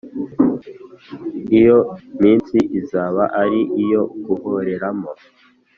iyo minsi izaba ari iyo guhoreramo